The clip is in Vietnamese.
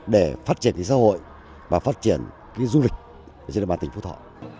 để phát triển cái xã hội và phát triển cái du lịch trên đồng bàn tỉnh phú thọ